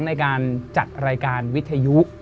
ในการจัดรายการวิทยุ